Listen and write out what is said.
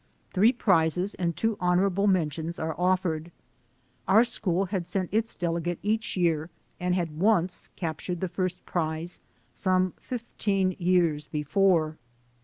Three prizes and two honorable mentions are offered. Our school had sent its delegate each year and had once captured the first prize, some fifteen years before.